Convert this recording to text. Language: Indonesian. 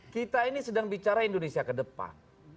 kita ini sedang bicara indonesia ke depan